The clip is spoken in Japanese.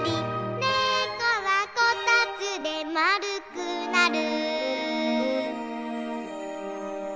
「ねこはこたつでまるくなる」